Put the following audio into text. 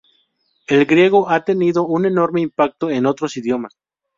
El griego ha tenido un enorme impacto en otros idiomas.